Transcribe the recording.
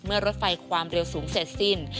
รถไฟความเร็วสูงเสร็จสิ้น